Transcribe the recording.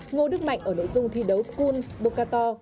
ngô đức mạnh ở nội dung thi đấu kun boca